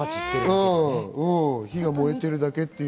火が燃えているだけっていう。